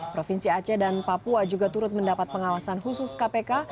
provinsi aceh dan papua juga turut mendapat pengawasan khusus kpk